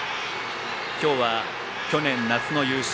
今日は去年夏の優勝